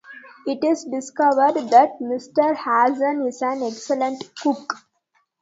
It is discovered that Mr. Hasson is an excellent cook.